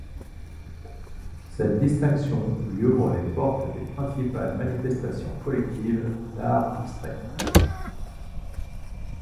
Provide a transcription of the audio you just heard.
Cette distinction lui ouvre les portes des principales manifestations collectives d’art abstrait.